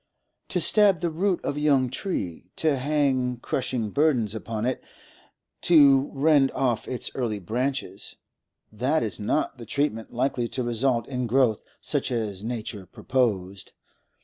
To stab the root of a young tree, to hang crushing burdens upon it, to rend off its early branches—that is not the treatment likely to result in growth such as nature purposed.